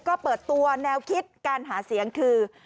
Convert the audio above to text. ก็เปิดตัวแนวคิดการหาเสียงคือ